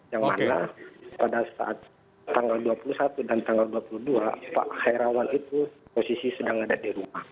yang mana pada saat tanggal dua puluh satu dan tanggal dua puluh dua pak herawan itu posisi sedang ada di rumah